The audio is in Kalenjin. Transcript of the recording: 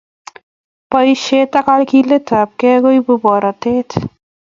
Boisiet ak kagiletapkei ko ibu borotet